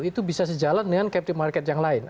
itu bisa sejalan dengan captive market yang lain